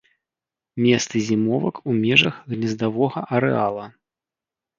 Месцы зімовак у межах гнездавога арэала.